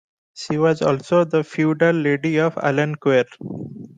She was also the feudal Lady of Alenquer.